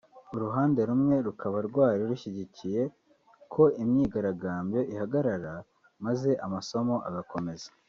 uruhande rumwe rukaba rwari rushyigikiye ko imyigaragambyo ihagarara maze amasomo agakomeza